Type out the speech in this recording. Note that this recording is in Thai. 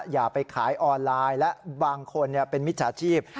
อย่าไปขายออนไลน์และบางคนเป็นมิจฉาชีพ